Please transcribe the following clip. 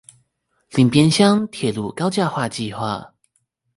林邊鄉鐵路高架化計畫